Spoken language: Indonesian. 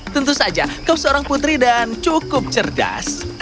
tentu saja kau seorang putri dan cukup cerdas